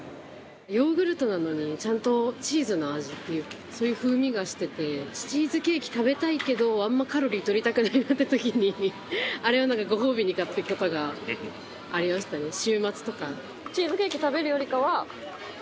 ヨーグルトなのにちゃんとチーズの味っていうかそういう風味がしててチーズケーキ食べたいけどあんまり、カロリー取りたくない時にあれをご褒美に買っていく事がありましたね、週末とか。